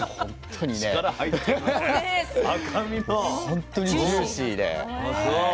ほんとにジューシーで。